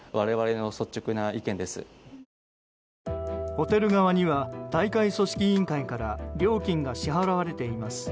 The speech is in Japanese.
ホテル側には大会組織委員会から料金が支払われています。